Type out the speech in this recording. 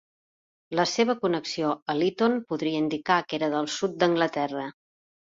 La seva connexió a l'Eaton podria indicar que era del sud d'Anglaterra.